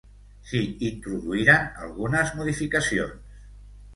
S'hi introduïren algunes modificacions.